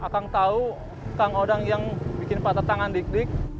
kang tahu kang odang yang bikin patah tangan didik